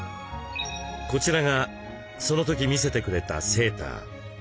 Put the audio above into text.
こちらがその時見せてくれたセーター。